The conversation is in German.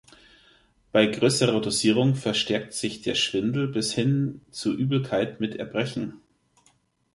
Bei größerer Dosierung verstärkt sich der Schwindel bis hin zu Übelkeit mit Erbrechen.